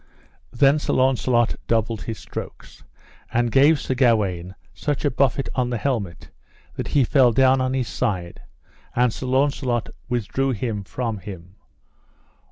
Then Sir Launcelot doubled his strokes and gave Sir Gawaine such a buffet on the helmet that he fell down on his side, and Sir Launcelot withdrew him from him.